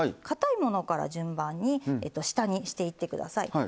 かたいものから順番に下にしていってください。